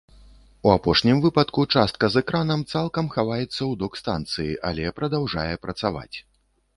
У апошнім выпадку частка з экранам цалкам хаваецца ў док-станцыі, але прадаўжае працаваць.